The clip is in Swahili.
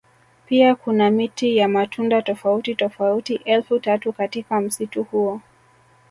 Pia kuna miti ya matunda tofauti tofauti elfu tatu katika msitu huo